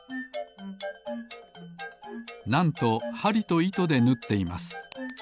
なんとはりといとでぬっています。